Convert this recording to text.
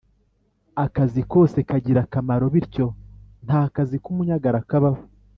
Akazi kose kagira akamaro bityo nta kazi kumunyagara kabaho